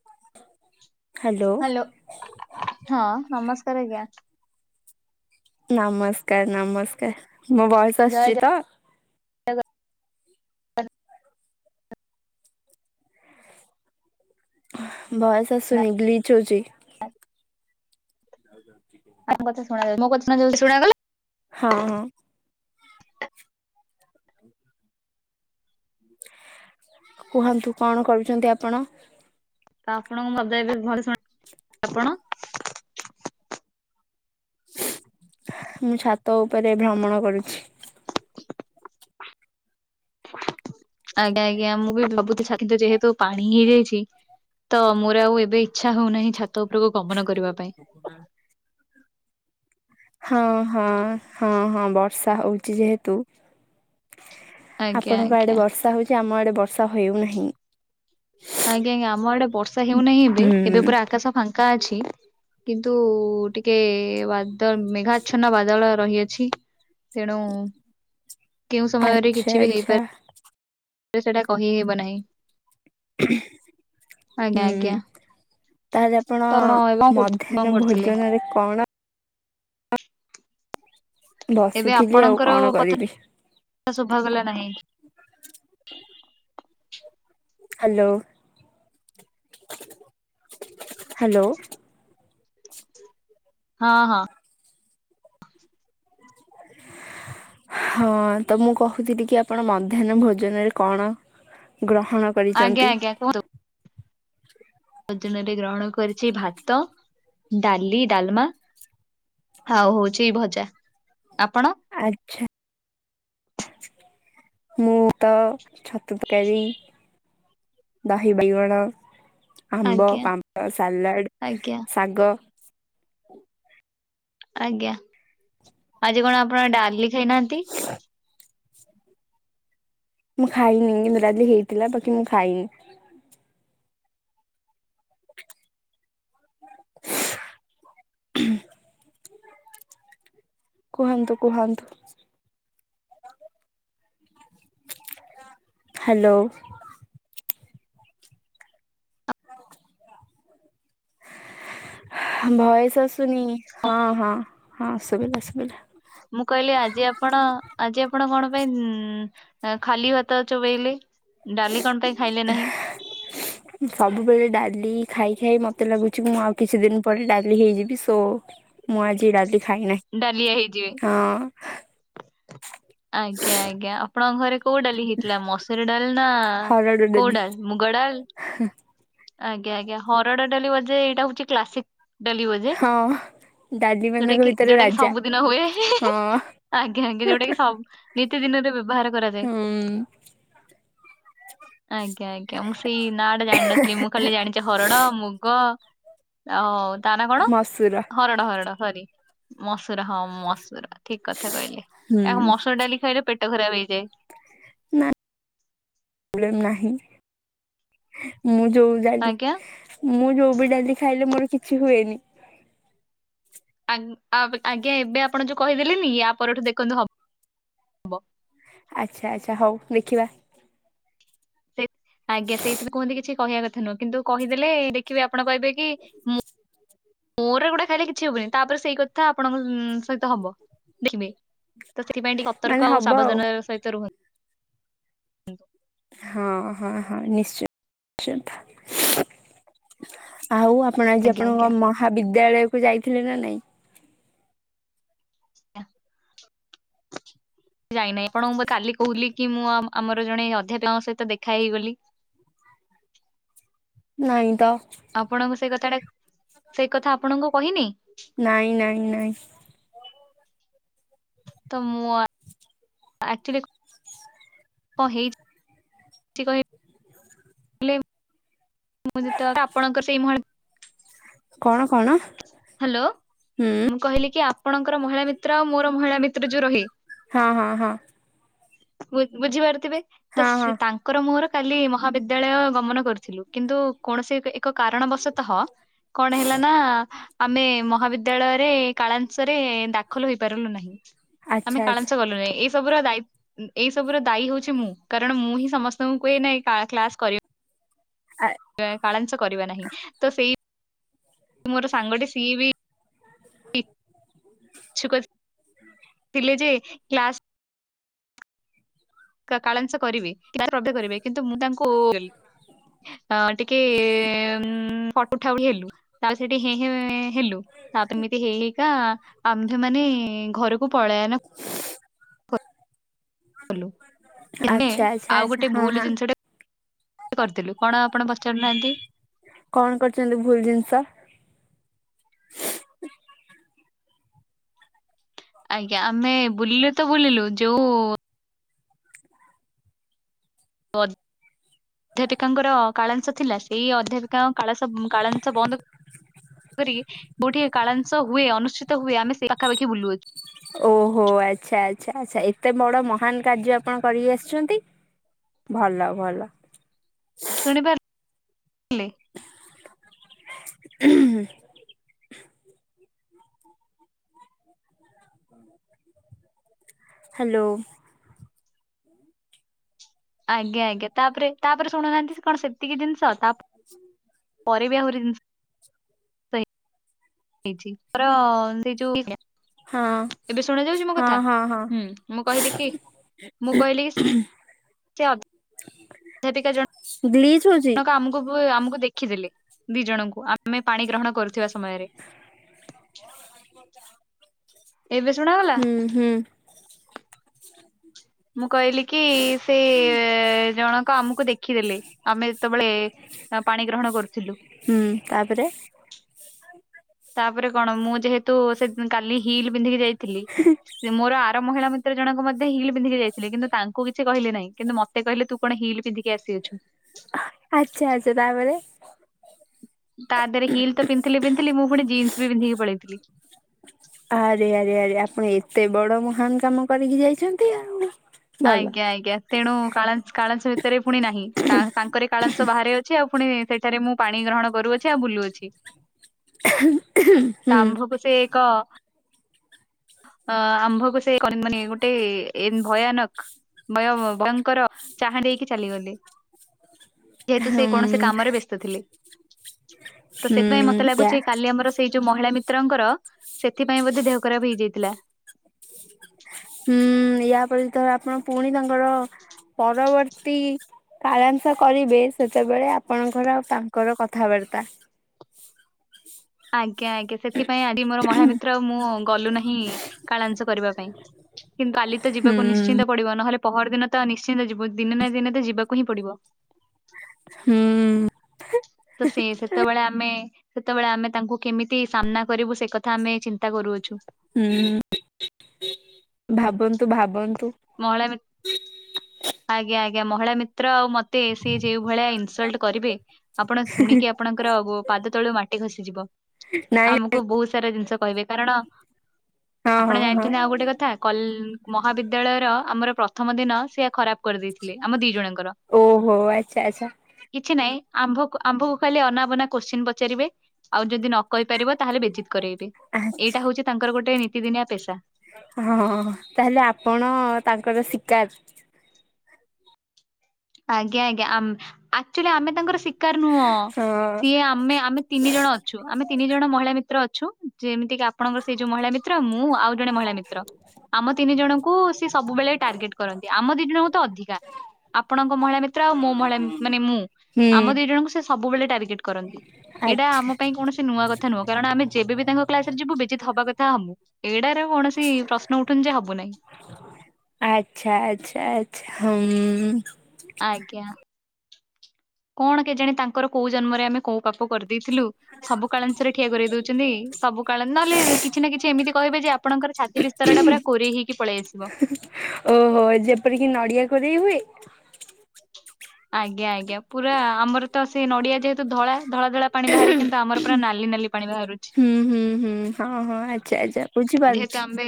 [inaudible] Hello hello ହଁ ନମସ୍କାରେ ଆଜ୍ଞା। ନମସ୍କାରେ ନମସ୍କାରେ ମୋ ଭଏସେ୍ ଜୟ ଆସୁଚି ତ? ଜଗନ୍ନାଥ। ଭଏସେ୍ ଆସୁନେହିଁ ଗ୍ଲିଚି ହୋଉଚି। [inaudible] ଆଙ୍କ କଥା ଶୁଣା ଯାଉଚି ମୋ କଥା ଶୁଣାଗଲା? ହଁ। କୁହନ୍ତୁ କଣ କରୁଚନ୍ତି ଆପଣ? ତ ଆପଣଙ୍କୁ ଭଲ ତ ଏବେ ଭଲ ଶୁଣା ଆପଣ ମୁଁ ଛାତ ଉପରେ ଭ୍ରମଣ କରୁଛି। [unintelligible] ଆଜ୍ଞା ଆଜ୍ଞା ମୁଁ ଭାବୁଚି ଛାତଟି ଯେହେତୁ ପାଣି ହେଇଯାଇଛି। ତ ମୋର ଆଉ ଏବେ ଇଚ୍ଛା ହୋଉନାହିଁ ଛାତ ଉପରକୁ ଗମନ କରିବା ପାଇଁ। [unintelligible] ହଁ ହଁ ହଁ ହଁ ବର୍ଷା ହଉଛି ଯେହେତୁ ଆଜ୍ଞା ଆପଣଙ୍କ ଆଡେ ଆଜ୍ଞା ବର୍ଷା ହଉଛି। ଆମ ଆଡେ ବର୍ଷା ହେଉନାହିଁ। ଆଜ୍ଞା ଆଜ୍ଞା, ଆମ ଆଡେ ବର୍ଷା ହେଉନାଁହି ଏବେ, ହୁଁ ଏବେ ପୁରା ଆକାଶ ଫାଙ୍କ କା ଅଛି, କିନ୍ତୁ ଟିକେ ଉଆ ତ ମେଘାଚ୍ଛନ୍ନ ବାଦଳ ରହିଅଛି। ତେଣୁ କେଉଁ ସମୟରେ ଆଚ୍ଛା କିଛି ବି ଆଚ୍ଛା ହେଇପାରେ। ଯେ ସେଟା କହି ହେବ ନାହିଁ। ଆଜ୍ଞା ହୁଁ। ଆଜ୍ଞା ତାହେଲେ ଆପଣ ତ ଏବେ କଣ କରୁ କଣ ମଧ୍ୟାହ୍ନ କରୁଥିଲେ? ଭୋଜନରେ କଣ ଏବେ ବସିଥିଲି ଆଉ ଆପଣଙ୍କର କଣ କଥା କରିବି ଶୁଭାଗଲା ନାହିଁ। Hello hello. ହଁ ହଁ। [unintelligible] ହଁ ତ ମୁଁ କହୁଥିଲି କି ଆପଣ ମଧ୍ୟାହ୍ନ ଭୋଜନରେ କଣ ଗ୍ରହଣ ଆଜ୍ଞା କରିଛନ୍ତି? ଆଜ୍ଞା କୁହନ୍ତୁ। ଭୋଜନରେ ଗ୍ରହଣ କରିଛି ଭାତ, ଡାଲି, ଡାଲମା ହଉ ହଉଛି ଭଜା। ଆପଣ? ଆଛା୍। ମୁଁ ତ ଛତୁ ତକାରୀ। ଦହି ବାଇଗଣ, ଆମ୍ବ, ଆଜ୍ଞା ପାମ୍ପଡ, ସାଲାଡ଼, ଆଜ୍ଞା ଶାଗ। ଆଜ୍ଞା। ଆଜି କଣ ଆପଣ ଡାଲି ଖାଇନାହାନ୍ତି? [unintelligible] ମୁଁ ଖାଇନିି, କିନ୍ତୁ ଡାଲି ହେଇଥିଲା ବାକି ମୁଁ ଖାଇିନି। [unintelligible] କୁହନ୍ତୁ କୁହନ୍ତୁ। ହାଲୋ। [unintelligible] ଭୟସ ଆସୁନି। ହଁ ହଁ ହଁ ଶୁଭିଲା ଶୁଭିଲା। ମୁଁ କହିଲି ଆଜି ଆପଣ, ଆଜି ଆପଣ କଣ ପାଇଁ ଉ ଖାଲି ଭାତ ଚୋବେଲେ, ଡାଲି କଣ ପାଇଁ ଖାଇଲେ ନାହିଁ? [unintelligible] ସବୁବେଳେ ଡାଲି ଖାଇ ଖାଇ ମତେ ଲାଗୁଛି କି ମୁଁ ଆଉ କିଛି ଦିନ ପରେ ଡାଲି ହେଇଯିବି, ସୋ ମୁଁ ଆଜି ଡାଲି ଖାଇ ନାହିଁ। ଡାଲିଆ ହେଇଯିବେ। ଆଜ୍ଞା ଆଜ୍ଞା ଆଜ୍ଞା। ଆପଣଙ୍କ ଘରେ କୋଉ ଡାଲି ହେଇଥିଲା ମସୁରୀ ଡାଲ ନା କୋଉ ଡାଲି? ମୁଗଡ଼ାଲ? ଆଜ୍ଞା ଆଜ୍ଞା ଆଜ୍ଞା। ହରଡ଼ ଡାଲି ବୋଧେ ଏଇଟା ହଉଛି କ୍ଲାସିକ୍ ଡାଲି ବୋ ହଁ। ଡାଲି ମାନଙ୍କ ଭିତ ଯୋଉଟା କି ସବୁଦିନ ହୁଏ। ଆଜ୍ଞା ଆଜ୍ଞା। ଯୋଉଟା କି ସବୁ ନିତି ଦିନରେ ବ୍ୟବହାର କରାଯାଏ। ହୁଁ [inaudible] ଆଜ୍ଞା ଆଜ୍ଞା ଆଜ୍ଞା। ମୁଁ ସେଇ ନାଁ ଟା ଜାଣିିନଥିଲି। ମୁଁ ଖାଲି ଜାଣିଛି ହରଡ, ମୁଗ ଆଉ ତା ନା କଣ? ମସୁର ହରଡ ହରଡ ସରି ମସୁର ହଁ ମସୁର। ଠିକ୍ କଥା କହିଲେ। ହୁଁ। ଆ ମସୁର ଡାଲି ଖାଇଲେ ପେଟ ଖରାପ ହେଇଯାଏ। ନା ଳେ- ନାହିଁ ମୁଁ ଯୋଉ ଡାଲି ଆଜ୍ଞା। ମୁଁ ଯୋଉ ବି ଡାଲି ଖାଇଲେ ମୋର କିଛି ହୁଏନି। ଆନ୍- ଆପ- ଆଜ୍ଞା ଏବେ ଆପଣ ଯୋଉ କହିଦେଲେନି ୟା ପରଠୁ ଦେଖନ୍ତୁ ହ ଆଚ୍ଛା ଆଚ୍ଛା ହଉ ଦେଖିବା। ସେ ଆଜ୍ଞା ସେଇଥି [inaudible] କୁହନ୍ତି କିଛି କହିବା କଥା ନୁହଁ, କିନ୍ତୁ କହିଦେଲେ ଦେଖିବେ ଆପଣ କହିବେ କି ହଁ [unintelligible] ମୋର ଏଗୁଡା ଖାଇଲେ କିଛି ହବନି। ତାପରେ ସେଇ କ ଥା ଆପଣଙ୍କ ଉଁ, ସହିତ ହବ ଦେଖିବେ। ତ ସେଥିପାଇଁ ଟିକେ ମାନେ ସତର୍କ ଆଉ ହବ ସାବଧାନ ସହିତ ରୁହ ହଁ, ହଁ, ହଁ ନିଶ୍ଚ ଚିନ୍ତ। ଆଉ ଆପଣ ଆଜି ଆଜ୍ଞା ଆଜ୍ଞା। ଆପଣଙ୍କ ମହାବିଦ୍ୟାଳୟ କୁ ଯାଇଥିଲେ ନା ନାଇଁ? ଆଜ୍ଞା। ଯାଇନାହିଁ ଆପଣଙ୍କୁ ମୁଁ କାଲି କହୁଲି କି ମୁଁ ଆ, ଆମର ଜଣେ ଅଧ୍ୟାପକଙ୍କ ସହିତ ଦେଖା ହେଇଗଲି। ନାଇ ତ। ଆପଣଙ୍କୁ ସେଇ କଥାଟା, ସେଇ କଥା ଆପଣଙ୍କୁ କହିନି? ନାଇଁ, ନାଇଁ, ନାଇଁ। ତ ମୁଁ ଆ ଆକ୍ଚୁଲି କଁ ହେଇଚି କହି ମୁଁ ଯେତକ ଆଣଙ୍କର ସେଇ ମ [unintelligible] କଣ, କଣ? ହ୍ୟାଲୋ, ହୁଁ ମୁଁ କହିଲି କି ଆପଣଙ୍କର ମହିଳା ମିତ୍ର ଆଉ ମୋର ମହିଳା ମିତ୍ର ଯୋଉ ରହେ। ହଁ, ହଁ, ହଁ। ବ-ବୁଝିପାରୁଥିବେ ତ ହଁ ସେ ହଁ ତାଙ୍କ ଙ୍କର ମୋର କାଲି ମହାବିଦ୍ୟାଳୟ ଗମନ କରିଥିଲୁ କିନ୍ତୁ କୌଣସି ଏକ ଏକ କାରଣବଶତଃ କଣ ହେଲା ନା ଆମେ ମହାବିଦ୍ୟାଳୟରେ କାଳାଂଶରେ ଦାଖଲ ହେଇପାରିଲୁ ନାହିଁ। ଆମେ ଆଚ୍ଛା ଆଚ୍ଛା। କାଳାଂଶ ଗଲୁ ନାହିଁ ଏ ସବୁର ଦାଇ ଉଁ, ଏଇ ସବୁର ଦାୟୀ ହଉଛି ମୁଁ କାରଣ ମୁଁ ହିଁ ସମସ୍ତଙ୍କୁ କୁହେ ନାଇ କା- କ୍ଲାସ୍ କରି ଆଏ ଏ କାଳାଂଶ କରିବା ନାହିଁ, ତ ସେଇ ମୋର ସାଙ୍ଗଟେ ସିଏ ବି ଛୁକ [inaudible] ଥିଲେ ଯେ କ୍ଲାସ୍ କ କାଳାଂଶ କରିବେ [inaudible] [unintelligible] କରିବେ କିନ୍ତୁ ମୁଁ ତାଙ୍କୁ [unintelligible] ହଁ ଟିକେ ଉଁ, ଫ [inaudible] ଉଠାଉଠି ହେଲୁ। ତାର ସେଠି ହେଁ ହେଁ ଏଁ, ହେଲୁ, ତାପରେ ଏମିତି ହେଇ ହେଇ କା ଆମ୍ଭେମାନେ ଘରକୁ ପଳାୟନ [unintelligible] କଲୁ, ଆମ୍ଭେ ଆଚ୍ଛା ଆଚ୍ଛା ଆଉ ଆଚ୍ଛା ଗୋଟେ ହଁ ଭୁଲ ହଁ ଜିନିଷଟେ କରିଥିଲୁ, କଣ ଆପଣ ପଚାରୁନାହାନ୍ତି? କଣ କରିଛନ୍ତି ଭୁଲ ଜିନିଷ? ଆଜ୍ଞା ଆମେ ବୁଲିଲେ ତ ବୁଲିଲୁ ଯୋଉ [unintelligible] ଅଧ୍ୟାପିକାଙ୍କର କାଳାଂଶ ଥିଲା ସେଇ ଅଧ୍ୟାପିକାଙ୍କ କାଳାଶ ଉଁ, କାଳାଂଶ ବନ୍ଦ କରିକି ଯୋଉଠି କାଳାଂଶ ହୁଏ ଅନୁଷ୍ଠିତ ହୁଏ ଆମେ ସେ ପାଖାପାଖି ବୁଲୁଅଛୁ। ଓହୋ, ଆଚ୍ଛା, ଆଚ୍ଛା, ଆଚ୍ଛା ଏତେ ବଡ଼ ମହାନ କାର୍ଯ୍ୟ ଆପଣ କରିକି ଆସିଛନ୍ତି? ଭଲ ଭଲ। ଶୁଣିପାରିଲି ଉହୁଁ। ହ୍ୟାଲୋ। ଆଜ୍ଞା ଆଜ୍ଞା ତାପରେ ତାପରେ ଶୁଣୁ ନାହାନ୍ତି କଣ ସେତିକି ଜିନିଷ ତାପରେ ହୁଁ। ପରେ ବି ଆହୁରି [unintelligible] ଜିନିଷ [unintelligible] ଏଇ ଯୋଉ ହଁ ଏବେ ଶୁଣା ଯାଉଛି ମୋ କଥା ହଁ ହଁ ହଁ ହୁଁ ମୁଁ କହିଲି କି ମୁଁ କହିଲି କି ସେ ଅଧ୍ୟାପିକା ଜଣ ଗ୍ଲିଚ ହଉଛି। ଆମକୁ ଆମକୁ ଦେଖିଦେଲେ ଦି ଜଣଙ୍କୁ ଆମେ ପାଣି ଗ୍ରହଣ କରୁଥିବା ସମୟରେ। ଏବେ ଶୁଣାଗଲା? ହୁଁ ହୁଁ। ମୁଁ କହିଲି କି ସେ ଜଣକ ଆମକୁ ଦେଖିଦେଲେ ଆମେ ଯେତେବେଳେ ପାଣି ଗ୍ରହଣ କରୁଥିଲୁ। ହୁଁ ତାପରେ ତାପରେ କଣ ମୁଁ ଯେହେତୁ ସେ କାଲି ହିଲ ପିନ୍ଧିକି ଯାଇଥିଲି ମୋର ଆର ମହିଳା ତ ଜଣକ ମଧ୍ୟ ହିଲ ପିନ୍ଧିକି ଯାଇଥିଲେ କିନ୍ତୁଙ୍କୁ କିଛି କିହିଲେ ନାହିଁ କିନ୍ତୁ ମତେ କିଲେ ତୁ କଣ ହିଲ ପିଧିକି ଆସିଯାଅଛୁ। ଆଚ୍ଛା ଆଚ୍ଛା ତାପରେ ତା ଦେହ ହିଲ ତ ପିନ୍ଥିଲି ପିନ୍ଥିଲି ମୁଁ ପୁଣି ଜିନ୍ସ ବି ପିନ୍ଧିକି ପଳେଇଥିଲି। ଆରେ ଆରେ ଆରେ ଆପଣ ଏତେ ବଡ ମହାନ କାମ କରିକି ଯାଇଛନ୍ତି ଆଉ। ଭଲ ଆଜ୍ଞା ଆଜ୍ଞା। ତେଣୁ କାଳସ କଲାସ ଭିତରେ ପୁଣି ନାହିଁ ତାଙ୍କରେ କାଳସ ବାହାରେ ଅଛି ଆଉ ପୁଣି ସେଠ ଏଠରେ ମୁଁ ପାଣି ଗ୍ରହଣ କରୁଅଛି ଆଉ ବୁଲୁଅଛି। ତ ହୁଁ। ଆମ୍ଭକୁ ସେ ଏକ ଅ ଆମ୍ଭକୁ [unintelligible] ସେ ମାନେ ଗୋଟେ ଏ ଭୟାନକ ବୟ ଭୟଙ୍କର ଚାହା ଦେଇକି ଚାଲିଗଲେ। ଯେହେତୁ ସେ କୌଣସି ହୁଁ କାମରେ ବ୍ୟସ୍ତ ଥିଲେ ତ ହୁଁ ସେଥିପାଇଁ ମତେ ୟା ଲାଗୁଛି କାଲି ଆମର ସେଇ ଯୋଉ ମହିଳା ମିତ୍ରଙ୍କର ସେଥିପାଇଁ ବୋଧେ ଦେହ ଖରାପ ହେଇଯାଇଥିଲା। ହୁଁ ୟା ପରେ ତ ଆପଣ ପୁଣି ତାଙ୍କର ପରବର୍ତ୍ତୀ [unintelligible] କରିବେ ସେତେବେଳେ ଆପଣଙ୍କର ଆଉ ତାଙ୍କର କଥାବାର୍ତ୍ତା। ଆଜ୍ଞା ଆଜ୍ଞା ସେଥିପାଇଁ ଆଜି ମୋର ମହିଳା ମିତ୍ର ମୁଁ ଗଲୁ ନାହିଁ କାଳାଂସ କରିବା ପାଇଁ। କିନ୍ତୁ ଆଲି ତ ହୁଁ ଯିବାକୁ ନିଶ୍ଚିନ୍ତ ପଡିବ ନହେଲେ ପହର ଦିନ ତ ନିଶ୍ଚିନ୍ତ ଯିବ ଦିନେ ନା ଦିନେ ତ ଯିବାକୁ ହିଁ ପଡିବ। ହୁଁ। ତ ସେ ସେତେବେଳେ ଆମେ ସେତେବେଳେ ଆମେ ତାଙ୍କୁ କେମିତି ସାମ୍ନା କରିବୁ ସେ କଥା କଥା ଆମେ ଚିନ୍ତା କରୁଅଛୁ। ହୁଁ ଭାବନ୍ତୁ ଭାବନ୍ତୁ। ମହିଳା ମି ଆଜ୍ଞା ଆଜ୍ଞା ମହିଳା ମିତ୍ର ଆଉ ମ୍ ତେ ସେ ଯେଉ ଭଳିଆ ଇନସଲ୍ଟ କରିବେ ଆପଣ ଶୁଣିକି ଆପଣଙ୍କର ବ ପାଦ ତଳୁ ମାଟି ଖସିିଯିବ। ନାଇଁ ଆମକୁ ବହୁତ ସାରା ଜିନିଷ କହିବେ କାରଣ ହଁ ଆପଣ ହଁ ହଁ ଜାଣିଛନ୍ତି ଆଉ ଗୋଟେ କଥା କଲ ମହାବିଦ୍ୟାଳୟର ଆମର ପ୍ରଥମ ଦିନ ସିଏ ଖରାପ କରିଦେଇଥିଲେ ଆମ ଦି ଜଣଙ୍କର। ଓହୋ ଆଚ୍ଛା ଆଚ୍ଛା। କିଛି ନାଇଁ ଆମ୍ଭକୁ ଆମ୍ଭକୁ ଖାଲି ଅନାବନା କୋଶ୍ଚିନ୍ ପଚାରିବେ! ଆଉ ଯଦି ନକରିପାରିବ ତାହେଲେ ବେଜିତ କରେଇବେ, ଏଇଟା ହଉଚି ତାଙ୍କର ଗୋଟେ ନିତିଦିନିଆ ପେସା। ହଁ ହଁ ଅଁ ତାହେଲେ ଆପଣ ତାଙ୍କର ଶିକାର। ଆଜ୍ଞା ଆଜ୍ଞା ଆମ ଆଚୁଆଲି ଆମେ ତାଙ୍କର ଶିକାର ନଅଁ! ସିଏ ଆମେ ଆମେ ତିନି ଜଣ ଅଛୁ, ଆମେ ତିନି ଜଣ ମହିଳା ମିତ୍ର ଅଛୁ! ଯେମିତି କି ଆପଣଙ୍କର ସେଇ ଯୋଉ ମହିଳା ମିତ୍ର ମୁଁ ଆଉ ଜଣେ ମହିଳା ମିତ୍ର। ଆମ ତିନି ଜଣଙ୍କୁ ସିଏ ସବୁବେଳେ ଟାର୍ଗେଟ୍ କରନ୍ତି! ଆମ ଦିଜଣଙ୍କୁ ତ ଅଧିକା। ଆପଣଙ୍କ ମହିଳା ମିତ୍ର ଆଉ ମୁଁ ମହିଳା ମି ମାନେ ମୁଁ ହୁଁ ଆମ ଦିଜଣଙ୍କୁ ସେ ସବୁବେଳେ ଟାର୍ଗେଟ କରନ୍ତି। ଏଇଟା ଆଛା। ଆମ ପାଇଁ କୌଣସି ନୂଆ କଥା ନୁଅଁ, କାରଣ ଆମେ ଯେବେ ବି ତାଙ୍କ କ୍ଲାସ ରେ ଯିବୁ ବେଜିତ ହବା କଥା ହମୁଁ। ଏଇଡାରେ କୌଣସି ପ୍ରଶ୍ନ ଉଠୁନଯେ ହବୁ ନାଇଁ। ଆଚ୍ଛା ଆଚ୍ଛା ଆଚ୍ଛା ହଁମ୍ ମୁଁ। ଆଜ୍ଞା କଣ କେଜାଣି ତାଙ୍କର କୋଉ ଜନ୍ମରେ ଆମେ କୋଉ ପାପ କରିଦେଇଥିଲୁ! ସବୁ କଳଞ୍ଚରେ ଠିଆ କରି ଦଉଚନ୍ତି, ସବୁ କାଳ ନହେଲେ କିଛି ନା କିଛି ଏମିତି କହିବେ ଯେ ଆପଣଙ୍କର ଛତି ସେ ବିସ୍ତାର ଟା ପୁର କୋରେଇ ହେଇକି ପଳେଇ ଆସିବ। ଓହୋ ଯେପରିକି ନଡିଆ କୋରେଇ ହୁଏ! ଆଜ୍ଞା ଆଜ୍ଞା ପୁରା ଆମର ତ ସେ ନଡିଆ ଯେହେତୁ ଧଳା ଧଳା ଧଳା ପାଣି ବାହାରେ, କିନ୍ତୁ ଆମର ପୁରା ନାଲି ନାଲି ପାଣି ବାହାରୁଛି। ହୁଁ ହୁଁ ହୁଁ ହଁ ହଁ ଆଚ୍ଛା ଆଚା। ଯେହେତୁ ଆମ୍ବେ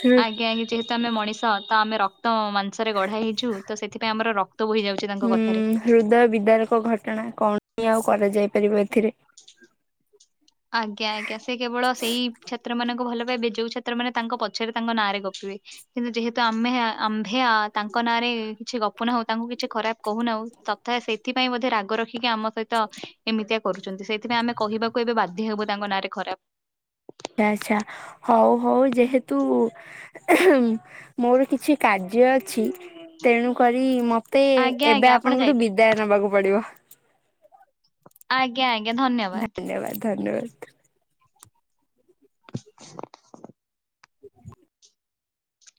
ହୁଁ। ଆଜ୍ଞା ଇଞ୍ଚ ଯେହେତୁ ଆମେ ମଣିଷ ତ ଆମେ ରକ୍ତ ମାଂ ମାଂସରେ ଗଢାହେଇଚୁ ତ ସେଥିପାଇଁ ଆମର ରକ୍ତ ବୋହିଯାଉଚି ତାଙ୍କ କଥାରେ! ହୃଦୟ ବିଦାରକ ଘଟ କଣା କଣ ପି ଆଉ କରାଯାଇ ପାରିବ ଏଥିରେ! ଆଜ୍ଞା ଆଜ୍ଞା ସେ କେବଳ ସେଇ ଛାତ୍ର ମାନଙ୍କୁ ଭଲ ପାଇବେ ଯୋଉ ଛାତ୍ର ମାନେ ତାଙ୍କ ପଛରେ ତାଙ୍କ ନାଁରେ ଗପିବେ। କିନ୍ତୁ ଯେହେତୁ ଆମେ ଆମ୍ଭେଆ ତାଙ୍କ ନାଁରେ କିଛି ଗପୁ ନାହୁଁ ତାଙ୍କୁ କିଚି ଖରାପ କହୁନାହୁଁ ତଥା ସେଏଥି ପାଇଁ ବୋଧେ ରାଗ ରଖିକି ଆମ ସହିତ ତ ଏମିତିଆ କରୁଚନ୍ତି, ସେଇଥିପାଇଁ ଆମେ କହିବାକୁ ଏବେ ବାଧ୍ୟ ହବୁ ତାଙ୍କ ନାଁରେ ଖରାପ। ହ୍ୟାନଚ୍ଛା ହଉ ହଉ ଯେହେତୁ ଏହେଁ ମୋର କିଛି କାର୍ଯ୍ୟ ଅଛି ତେଣୁ କରି ମୋ ତେ ଆଜ୍ଞା ଆଜ୍ଞା ଏବେ ଆପଣ ଆପଣଙ୍କୁଠୁ ଯାଇପାରିବେ ବିଦାୟ ନବାକୁ ପଡିବ। ଆଜ୍ଞା ଆଜ୍ଞା ଧନ୍ୟବାଦ। ନେବାଦ ଧନ୍ୟବାଦ। [unintelligible]